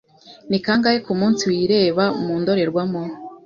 Ni kangahe kumunsi wireba mu ndorerwamo?